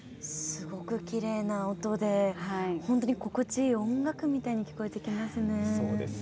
すごくきれいな音で本当に心地いい、音楽みたいに聴こえてきますね。